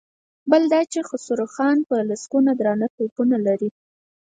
بل دا چې خسرو خان په لسګونو درانه توپونه لري.